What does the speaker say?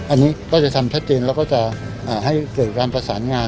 อันนี้ก็จะทำชัดเจนแล้วก็จะให้เกิดการประสานงาน